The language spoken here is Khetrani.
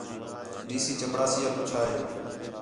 ڈی سی چپڑاسی آ پُچھا ہے